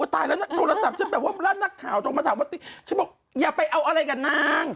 ตายแล้วหน้าสาบฉันแบบว่ามันนรับข่าวต้องตามฉันบอกอย่าไปเอาอะไรกับนาง